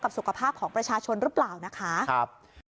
สุขภาพของประชาชนหรือเปล่านะคะครับ